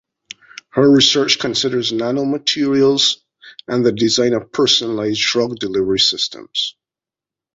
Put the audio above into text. Her research considers nanomaterials and the design of personalised drug delivery systems.